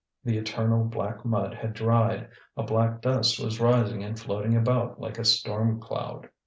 The eternal black mud had dried, a black dust was rising and floating about like a storm cloud.